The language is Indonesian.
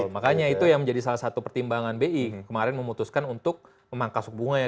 makanya itu yang menjadi salah satu pertimbangan bi kemarin memutuskan untuk memangkas bunga ya